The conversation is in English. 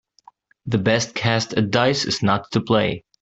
The best cast at dice is not to play.